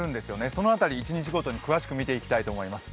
その辺り、一日ごとに詳しく見ていきたいと思います。